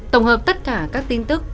tổng hợp tất cả các tin tức